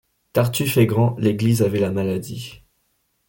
Tartufe est grand. L'église avait la maladie ;